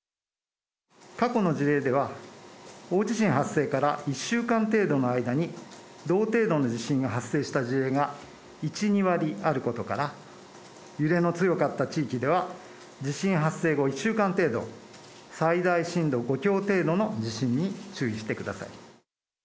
過去の事例では、大地震発生から１週間程度の間に同程度の地震が発生した事例が１、２割あることから、揺れの強かった地域では、地震発生後１週間程度、最大震度５強程度の地震に注意してください。